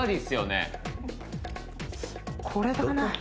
これかな？